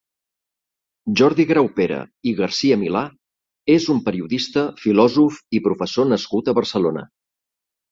Jordi Graupera i Garcia-Milà és un periodista, filòsof i professor nascut a Barcelona.